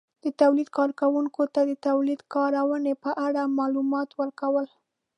-د تولید کارونکو ته د تولید کارونې په اړه مالومات ورکول